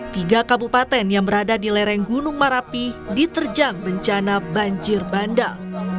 tiga kabupaten yang berada di lereng gunung merapi diterjang bencana banjir bandang